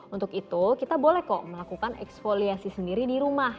untuk itu kita boleh kok melakukan eksfoliasi sendiri di rumah